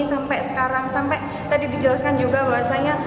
sampai sekarang sampai tadi dijelaskan juga bahwasanya